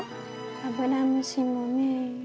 アブラムシもね。